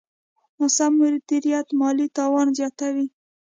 ناسم مدیریت مالي تاوان زیاتوي.